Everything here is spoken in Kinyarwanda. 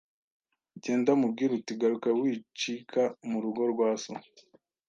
Genda umubwire uti garuka, wicika mu rugo rwa so